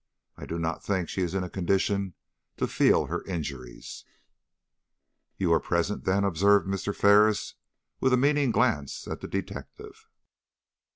I do not think she is in a condition to feel her injuries." "You were present, then," observed Mr. Ferris, with a meaning glance at the detective.